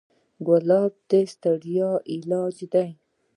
ګلاب د ستړیا علاج دی.